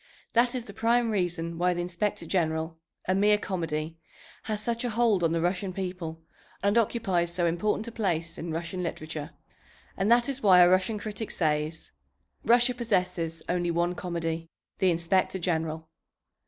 That is the prime reason why the Inspector General, a mere comedy, has such a hold on the Russian people and occupies so important a place in Russian literature. And that is why a Russian critic says, "Russia possesses only one comedy, the Inspector General."